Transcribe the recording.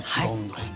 はい。